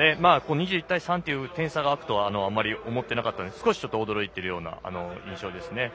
２１対３と点差が開くとはあまり思ってなかったので少し驚いているような印象ですね。